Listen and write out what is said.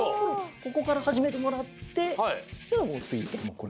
ここからはじめてもらってもうつぎこれ。